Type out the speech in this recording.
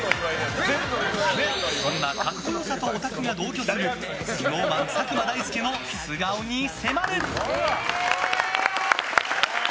そんな格好良さとオタクが同居するＳｎｏｗＭａｎ、佐久間大介の素顔に迫る。